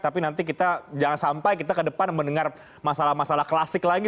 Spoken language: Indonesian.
tapi nanti kita jangan sampai kita ke depan mendengar masalah masalah klasik lagi